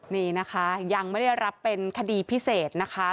นี่นะคะยังไม่ได้รับเป็นคดีพิเศษนะคะ